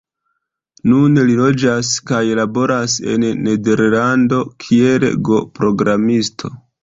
Nun li loĝas kaj laboras en Nederlando kiel Go-programisto.